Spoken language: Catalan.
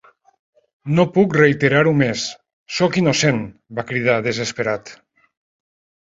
"No puc reiterar-ho més: soc innocent!", va cridar desesperat.